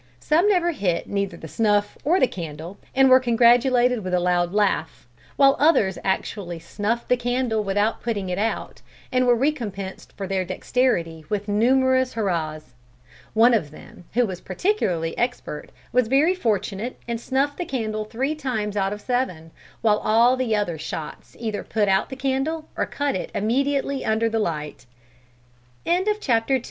Some never hit neither the snuff or the candle, and were congratulated with a loud laugh; while others actually snuffed the candle without putting it out, and were recompensed for their dexterity with numerous hurrahs. One of them, who was particularly expert, was very fortunate and snuffed the candle three times out of seven; while all the other shots either put out the candle or cut it immediately under the light." CHAPTER III.